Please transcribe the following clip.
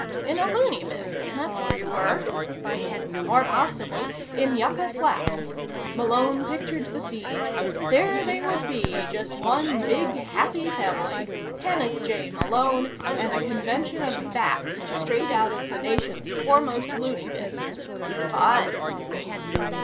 In a loony bin, that's where you were. Or, possibly, in Yucca Flats. Malone pictured the scene: there they would be, just one big happy family. Kenneth J. Malone, and a convention of bats straight out of the nation's foremost loony bins. Fun!